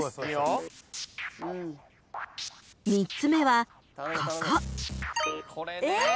［３つ目はここ］